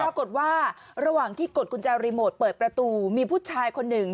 ปรากฏว่าระหว่างที่กดกุญแจรีโมทเปิดประตูมีผู้ชายคนหนึ่ง